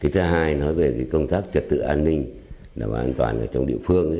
thứ hai nói về công tác trật tự an ninh và an toàn trong địa phương